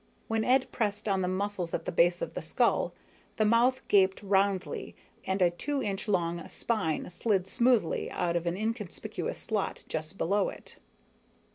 When Ed pressed on the muscles at the base of the skull, the mouth gaped roundly and a two inch long spine slid smoothly out of an inconspicuous slot just below it.